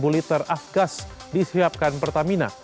satu liter afgas disiapkan pertamina